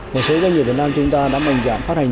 một số doanh nghiệp việt nam chúng ta đã mạnh dạng phát hành